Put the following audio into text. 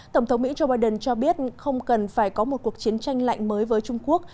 tổng thống mỹ joe biden cho biết không cần phải có một cuộc chiến tranh lạnh mới với trung quốc